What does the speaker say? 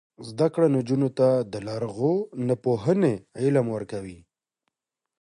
زده کړه نجونو ته د لرغونپوهنې علم ورکوي.